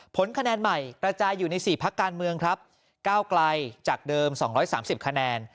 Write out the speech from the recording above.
ผลคะแนนใหม่กระจายอยู่ใน๔พักการเมืองครับก้าวไกลจากเดิม๒๓๐คะแนน